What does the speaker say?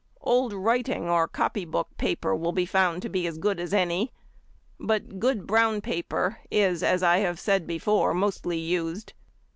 Old writing or copy book paper will be found to be as good as any, but good brown paper is, as I have said before, mostly used.